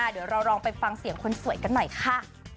เดี๋ยวเราลองไปฟังเสียงคนสวยกันหน่อยค่ะ